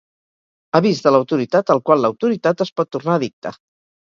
Avís de l'autoritat al qual l'autoritat es pot tornar addicta.